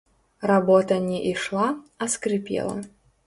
Работа не ішла, а скрыпела.